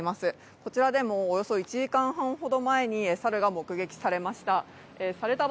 こちらでもおよそ１時間半ほど前に猿が目撃されました。